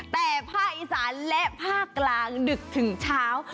แต่ภาคอีสานและภาคกลางดึกถึงเช้า